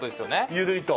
緩いと。